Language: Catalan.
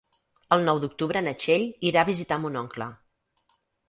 El nou d'octubre na Txell irà a visitar mon oncle.